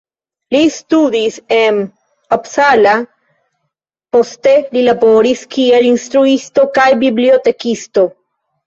Li studis en Uppsala, poste li laboris kiel instruisto kaj bibliotekisto.